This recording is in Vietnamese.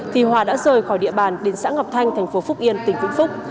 thì hòa đã rời khỏi địa bàn đến xã ngọc thanh thành phố phúc yên tỉnh vĩnh phúc